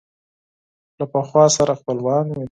له پخوا سره خپلوان وي